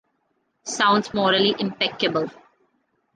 Sounds morally impeccable.